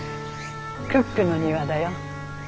クックの庭だよ。